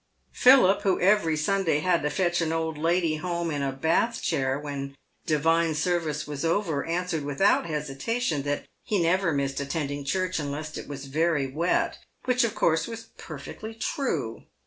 Philip, who every Sunday had to fetch an old lady home in a Bath chair when divine service was over, answered without hesitation that he never missed attending church unless it was very wet, which, of course, was perfectly true.